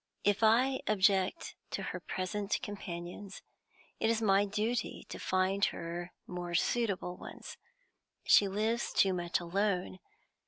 If I object to her present companions it is my duty to find her more suitable ones. She lives too much alone.